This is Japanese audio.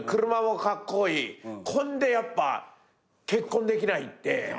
これで結婚できないって。